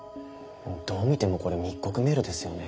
どう見てもこれ密告メールですよね。